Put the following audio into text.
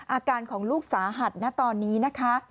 อาการของลูกสาหัสนะตอนนี้นะคะ